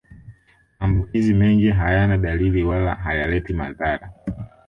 Maambukizi mengi hayana dalili wala hayaleti madhara